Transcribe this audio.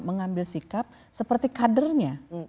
mengambil sikap seperti kadernya